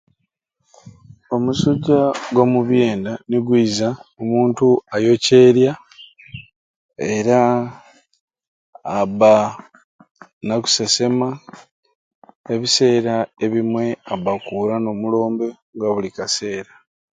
Omusujja gwa mu byenda nigwiza omuntu ayoceerya era abba na kusesema ebiseera ebimwe abba akuura n'omulombe gwa buli kaseera.